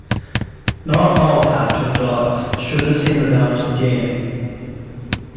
Not all halftone dots show the same amount of gain.